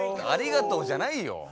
ありがとうじゃないよ。